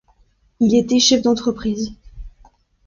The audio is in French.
Il était chef d'entreprise.